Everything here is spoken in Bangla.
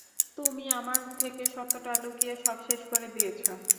তুমি আমার থেকে সত্যটা লুকিয়ে সব শেষ করে দিয়েছ।